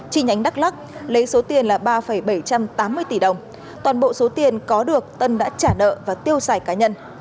chi nhánh đắk lắc lấy số tiền là ba bảy trăm tám mươi tỷ đồng toàn bộ số tiền có được tân đã trả nợ và tiêu xài cá nhân